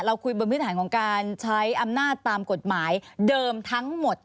คุยบนพื้นฐานของการใช้อำนาจตามกฎหมายเดิมทั้งหมด